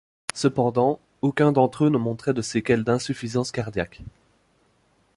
Cependant, aucun d'entre eux ne montrait de séquelles d'insuffisance cardiaque.